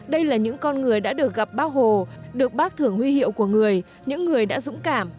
đây là những con người đã được gặp bác hồ được bác thưởng huy hiệu của người những người đã dũng cảm